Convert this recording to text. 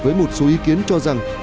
với một số ý kiến cho rằng